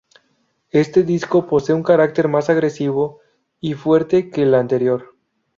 Este disco posee un carácter más agresivo y fuerte que el anterior.